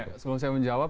iya sebelum saya menjawab